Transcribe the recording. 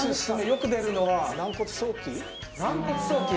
よく出るのは軟骨ソーキ？